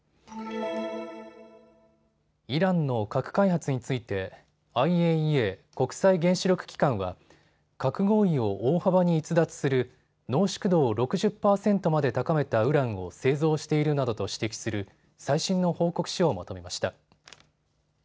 イランの核開発についてＩＡＥＡ・国際原子力機関は核合意を大幅に逸脱する濃縮度を６０％まで高めたウランを製造しているなどと指摘する最新の報告書をまとめました。